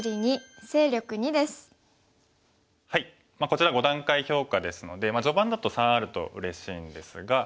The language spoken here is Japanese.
こちら５段階評価ですので序盤だと３あるとうれしいんですが。